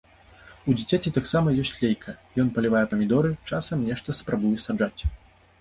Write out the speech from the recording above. У дзіцяці таксама ёсць лейка, ён палівае памідоры, часам нешта спрабуе саджаць.